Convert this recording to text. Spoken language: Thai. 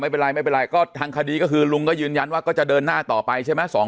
ไม่เป็นไรไม่เป็นไรก็ทางคดีก็คือลุงก็ยืนยันว่าก็จะเดินหน้าต่อไปใช่ไหม